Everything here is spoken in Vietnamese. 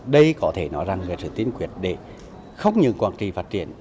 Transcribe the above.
đây có thể nói rằng là sự tiến quyết để không những quảng trị phát triển